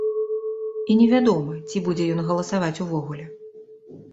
І невядома, ці будзе ён галасаваць увогуле.